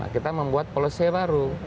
kita membuat polisi baru